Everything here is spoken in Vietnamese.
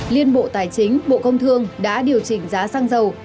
liên bộ tài chính bộ công thương đã điều chỉnh giá xăng dầu